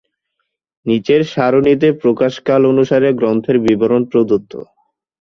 নিচের সারণীতে প্রকাশকাল অনুসারে গ্রন্থের বিবরণ প্রদত্ত।